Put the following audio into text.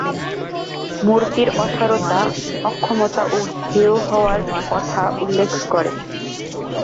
মূর্তির অসারতা, অক্ষমতা ও হেয় হওয়ার কথা উল্লেখ করেন।